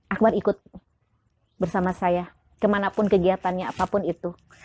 akbar ikut bersama saya kemanapun kegiatannya apapun itu